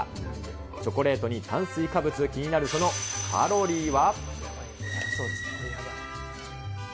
チョコレートに炭水化物が気になる、そのカロリーは。